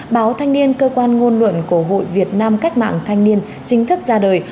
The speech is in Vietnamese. báo thanh niên cơ quan ngôn luận của hội việt nam cách mạng thanh niên chính thức ra đời